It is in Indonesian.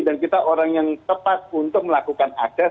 dan kita orang yang tepat untuk melakukan akses